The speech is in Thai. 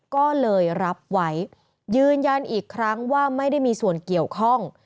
ก็เลยรับไว้ยืนยันอีกครั้งว่าไม่ได้มีส่วนเกี่ยวข้อง